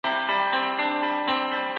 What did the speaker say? ولي روښانه فکر مهم دی؟